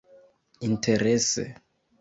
Interese